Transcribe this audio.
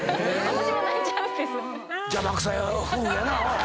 私も泣いちゃうんです。